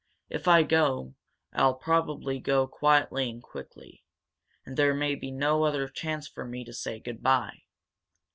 If I go, I'll probably go quietly and quickly. And there may be no other chance for me to say good bye."